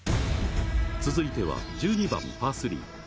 続いては１２番、パー３。